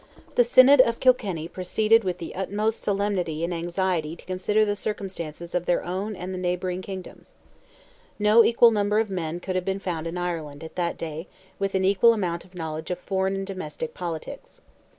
The Synod of Kilkenny proceeded with the utmost solemnity and anxiety to consider the circumstances of their own and the neighbouring kingdoms. No equal number of men could have been found in Ireland, at that day, with an equal amount of knowledge of foreign and domestic politics.